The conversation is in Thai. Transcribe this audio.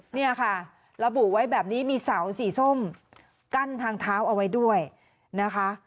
เนี่ยค่ะระบุไว้แบบนี้มีเสาสีส้มกั้นทางเท้าเอาไว้ด้วยนะคะ